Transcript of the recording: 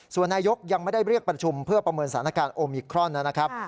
ส่วนนายกยังไม่ได้เรียกประชุมเพื่อประเมินสถานการณ์โอมิครอนนะครับ